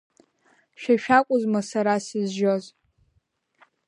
Шәа шәакәызма сара сызжьоз!